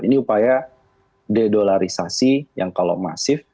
ini upaya dedolarisasi yang kalau masif